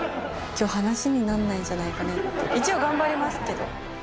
話になんないんじゃないかなって、一応頑張りますけど。